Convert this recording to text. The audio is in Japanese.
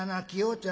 ちゃん